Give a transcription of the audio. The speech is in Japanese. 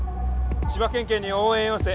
千葉県警に応援要請。